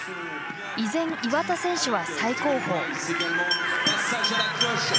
依然岩田選手は最後方。